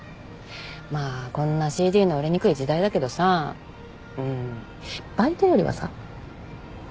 まあこんなＣＤの売れにくい時代だけどさうんバイトよりはさ。